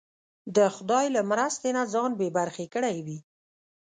د خدای له مرستې نه ځان بې برخې کړی وي.